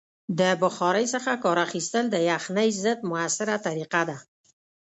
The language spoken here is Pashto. د بخارۍ څخه کار اخیستل د یخنۍ ضد مؤثره طریقه ده.